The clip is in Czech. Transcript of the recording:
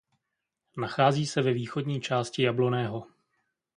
Nachází se ve východní části Jablonného.